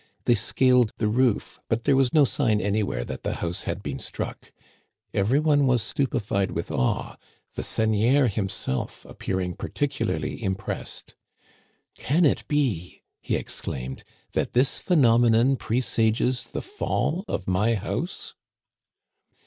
They scaled the roof, but there was no sign anywhere that the house had been struck. Every one was stupefied with awe, the seigneur himself appearing particularly impressed. Can it be," he exclaimed, that this phenomenon presages the fall of my house